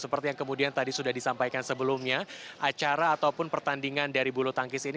seperti yang kemudian tadi sudah disampaikan sebelumnya acara ataupun pertandingan dari bulu tangkis ini